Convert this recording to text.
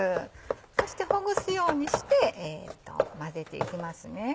そしてほぐすようにして混ぜていきます。